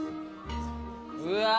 うわ。